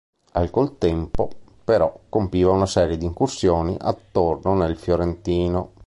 Al contempo, però, compiva una serie di incursioni attorno nel Fiorentino.